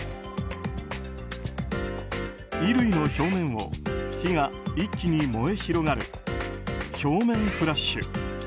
衣類の表面を火が一気に燃え広がる表面フラッシュ。